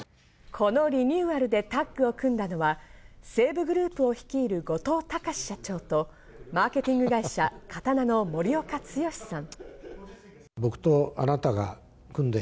このリニュ−アルでタッグを組んだのは西武グループを率いる後藤高志社長とマーケティング会社・刀の森岡毅さん。